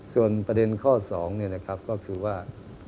ส่วนประเด็นข้อ๒ก็คือว่า